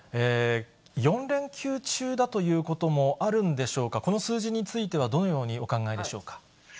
４連休中だということもあるんでしょうか、この数字については、どのようにお考えでしょうか。